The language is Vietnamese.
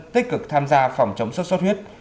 tích cực tham gia phòng chống sốt suốt huyết